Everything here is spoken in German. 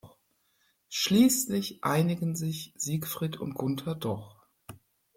Schließlich einigen sich Siegfried und Gunther doch.